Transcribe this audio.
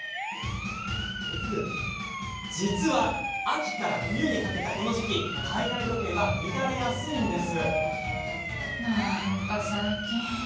実は、秋から冬にかけたこの時期体内時計は乱れやすいんです。